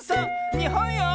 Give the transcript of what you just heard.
にほんよ！